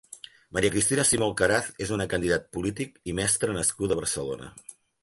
Maria Cristina Simó Alcaraz és una candidat polític i mestra nascuda a Barcelona.